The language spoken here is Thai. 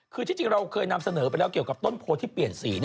คือที่จริงเราเคยนำเสนอไปแล้วเกี่ยวกับต้นโพที่เปลี่ยนสี